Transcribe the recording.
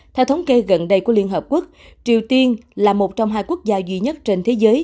theo thống kê gần đây của liên hợp quốc triều tiên là một trong hai quốc gia duy nhất trên thế giới